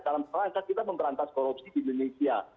dalam langkah kita memperantas korupsi di indonesia